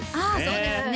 そうですね